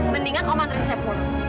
mendingan om andri sepuluh